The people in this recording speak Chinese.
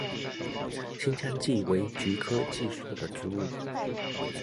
新疆蓟为菊科蓟属的植物。